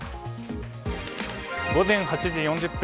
午前８時４０分。